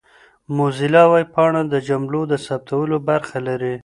موزیلا ویبپاڼه د جملو د ثبتولو برخه لري.